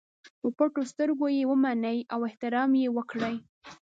په پټو سترګو یې ومني او احترام یې وکړي.